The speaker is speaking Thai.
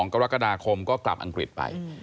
กรกฎาคมก็กลับอังกฤษไป